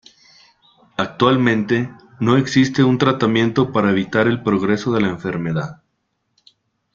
Actualmente no existe un tratamiento para evitar el progreso de la enfermedad.